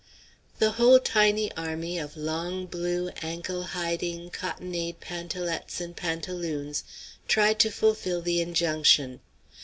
The whole tiny army of long, blue, ankle hiding cottonade pantalettes and pantaloons tried to fulfil the injunction.